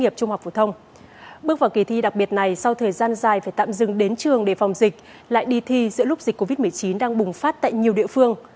bước vào kỳ thi đặc biệt này sau thời gian dài phải tạm dừng đến trường để phòng dịch lại đi thi giữa lúc dịch covid một mươi chín đang bùng phát tại nhiều địa phương